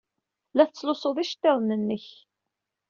La tettlusud iceḍḍiḍen-nnek.